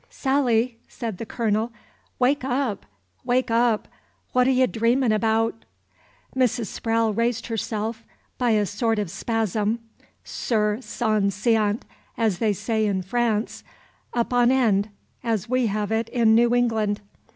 "Sally!" said the Colonel, "wake up, wake up. What 'r' y' dreamin' abaout?" Mrs. Sprowle raised herself, by a sort of spasm, sur son seant, as they say in France, up on end, as we have it in New England.